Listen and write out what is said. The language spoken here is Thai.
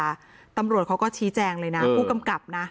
ตำรวจเขาก็ชี้แจงเลยนะผู้กำกับนะ